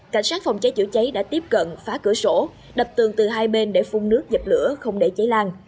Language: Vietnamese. cảnh sát phòng cháy chữa cháy đã tiếp cận phá cửa sổ đập tường từ hai bên để phun nước dập lửa không để cháy lan